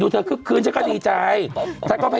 เห็นไหม